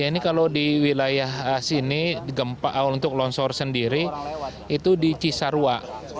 ini kalau di wilayah sini gempa untuk longsor sendiri itu di cisarua